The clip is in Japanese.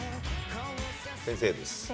先生です。